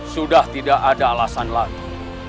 sudah tidak ada alasan lagi